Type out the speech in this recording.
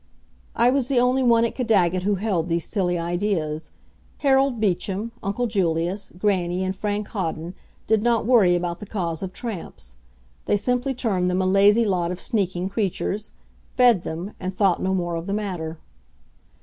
I was the only one at Caddagat who held these silly ideas. Harold Beecham, uncle Julius, grannie, and Frank Hawden did not worry about the cause of tramps. They simply termed them a lazy lot of sneaking creatures, fed them, and thought no more of the matter.